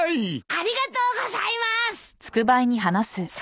ありがとうございます！